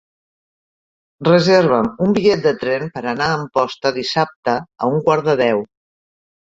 Reserva'm un bitllet de tren per anar a Amposta dissabte a un quart de deu.